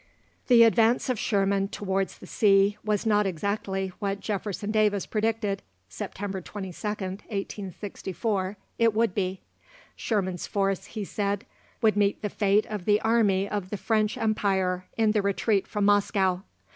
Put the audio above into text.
The advance of Sherman towards the sea was not exactly what Jefferson Davis predicted (September 22nd, 1864) it would be. Sherman's force, he said, "would meet the fate of the army of the French Empire in the retreat from Moscow.